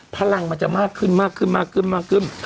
พลังมันจะมากขึ้นมากขึ้นมากขึ้นมากขึ้นมากขึ้น